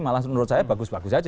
malah menurut saya bagus bagus saja